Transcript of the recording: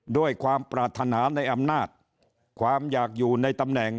ด้วยความปรารถนาในอำนาจความอยากอยู่ในตำแหน่ง